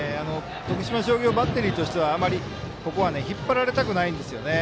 徳島商業バッテリーとしてはあまりここは引っ張られたくないんですね。